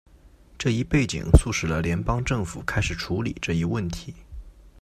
这一背景促使了联邦政府开始处理这一问题。